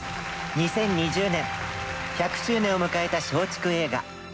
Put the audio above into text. ２０２０年１００周年を迎えた松竹映画。